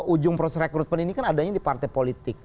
ujung proses rekrutmen ini kan adanya di partai politik